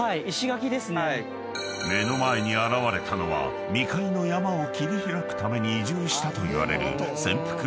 ［目の前に現れたのは未開の山を切り開くために移住したといわれる］